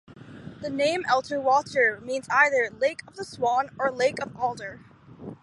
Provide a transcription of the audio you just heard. The name "Elterwater" means either "Lake of the Swan" or "Lake of Alder".